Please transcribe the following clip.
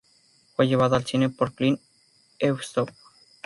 Fue llevada al cine por Clint Eastwood.